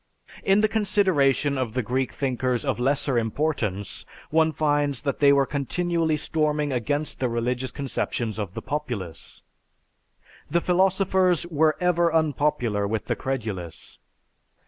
In the consideration of the Greek thinkers of lesser importance one finds that they were continually storming against the religious conceptions of the populace. The philosophers were ever unpopular with the credulous.